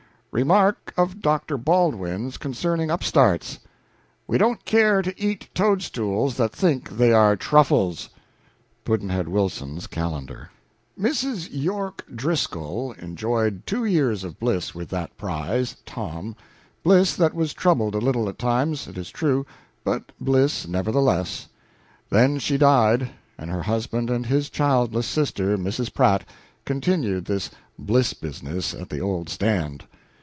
Remark of Dr. Baldwin's, concerning upstarts: We don't care to eat toadstools that think they are truffles. Pudd'nhead Wilson's Calendar. Mrs. York Driscoll enjoyed two years of bliss with that prize, Tom bliss that was troubled a little at times, it is true, but bliss nevertheless; then she died, and her husband and his childless sister, Mrs. Pratt, continued the bliss business at the old stand.